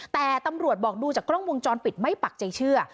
แต่ตำรวจบอกดูจากกล้องวงจรปิดไม่ปักใจเชื่อ